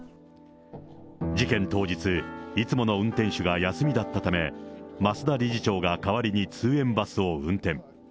事件当日、いつもの運転手が休みだったため、増田理事長が代わりに通園バスを運転。